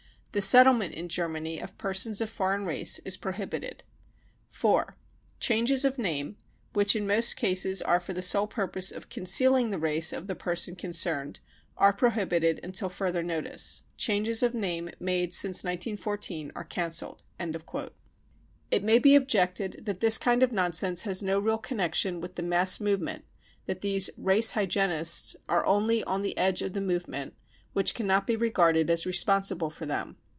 The settlement in Germany of persons of foreign race is prohibited. u 4. Changes of name, which in most cases are for the sole purpose of concealing the race of the person con cerned, are prohibited until further notice. Changes of name made since 1914 are cancelled. 55 It may be objected that this kind of nonsense has no real connection with the mass movement, that these " race hygienists 55 are only on the edge of the movement, which cannot be regarded as responsible for them.